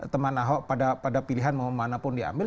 teman ahok pada pilihan mau mana pun diambil